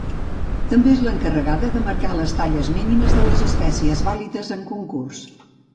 També és l'encarregada de marcar les talles mínimes de les espècies vàlides en concurs.